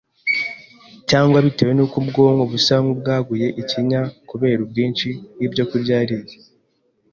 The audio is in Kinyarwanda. cyangwa bitewe n’uko ubwonko busa nk’ubwaguye ikinya kubera ubwinshi bw’ibyokurya yariye.